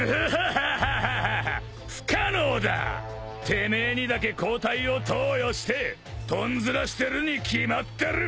てめえにだけ抗体を投与してとんずらしてるに決まってる。